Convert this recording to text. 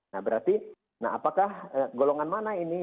nah berarti apakah golongan mana ini